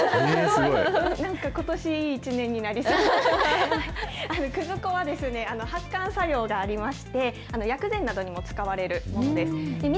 なんかことし、いい一年になくず粉はですね、発汗作用がありまして、薬膳などにも使われるものです。